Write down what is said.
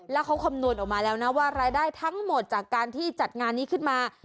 แล้วเขาคำนวณออกมาแล้วนะว่ารายได้ทั้งหมดจากการที่จัดงานนี้ขึ้นมา